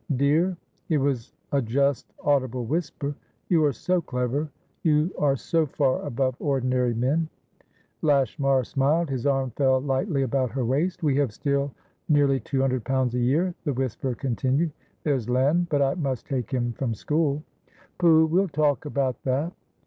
"Dear"it was a just audible whisper"you are so cleveryou are so far above ordinary men" Lashmar smiled. His arm fell lightly about her waist. "We have still nearly two hundred pounds a year," the whisper continued. "There's Lenbut I must take him from school" "Pooh! We'll talk about that."